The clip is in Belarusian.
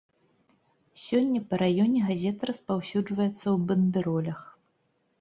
Сёння па раёне газета распаўсюджваецца ў бандэролях.